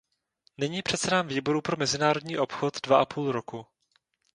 Nyní předsedám Výboru pro mezinárodní obchod dva a půl roku.